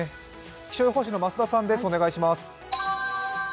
気象予報士の増田さんです。